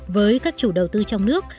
với các chủ đầu tư trong nước